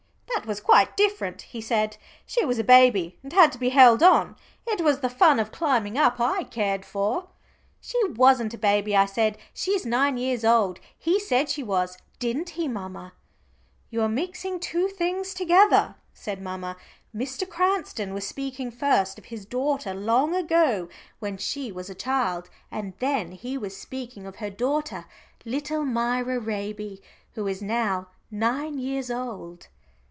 "That was quite different," he said. "She was a baby and had to be held on. It was the fun of climbing up I cared for." "She wasn't a baby," I said. "She's nine years old, he said she was didn't he, mamma?" "You are mixing two things together," said mamma. "Mr. Cranston was speaking first of his daughter long ago when she was a child, and then he was speaking of her daughter, little Myra Raby, who is now nine years old."